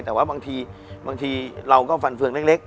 แต่ว่าบางทีเราก็ฟันเฟืองเล็ก